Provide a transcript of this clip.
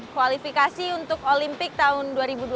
kualifikasi untuk olimpik tahun dua ribu dua puluh